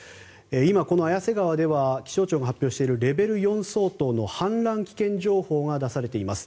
今、この綾瀬川では気象庁が発表しているレベル４相当の氾濫危険情報が出されています。